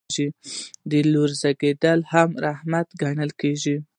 د لور زیږیدل هم رحمت ګڼل کیږي.